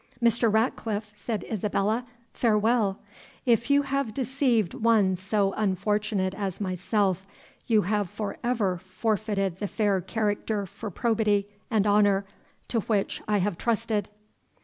"Mr. Ratcliffe," said Isabella, "farewell; if you have deceived one so unfortunate as myself, you have for ever forfeited the fair character for probity and honour to which I have trusted."